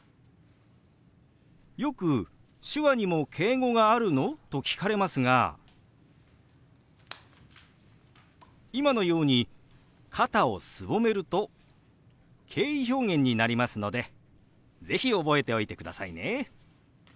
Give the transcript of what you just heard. よく「手話にも敬語があるの？」と聞かれますが今のように肩をすぼめると敬意表現になりますので是非覚えておいてくださいね。